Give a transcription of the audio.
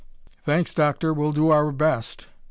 "Thanks, Doctor, we'll do our best.